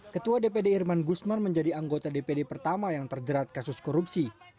ketua dpd irman gusman menjadi anggota dpd pertama yang terjerat kasus korupsi